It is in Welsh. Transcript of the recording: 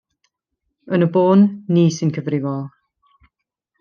Yn y bôn ni sy'n gyfrifol.